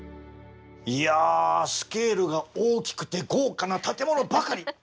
いやスケールが大きくて豪華な建物ばかり。